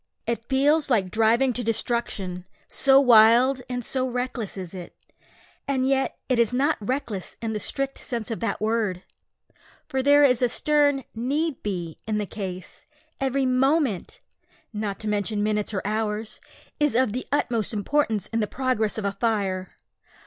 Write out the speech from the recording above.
It feels like driving to destruction so wild and so reckless is it. And yet it is not reckless in the strict sense of that word; for there is a stern need be in the case. Every moment (not to mention minutes or hours) is of the utmost importance in the progress of a fire.